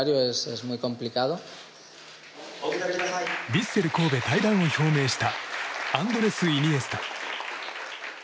ヴィッセル神戸退団を表明したアンドレス・イニエスタ。